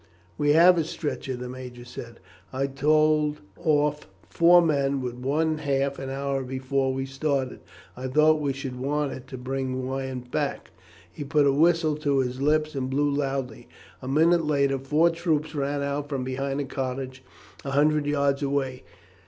"We have a stretcher," the major said. "I told off four men with one half an hour before we started. I thought we should want it to bring Wyatt back." He put a whistle to his lips and blew loudly. A minute later four troopers ran out from behind a cottage a hundred yards away.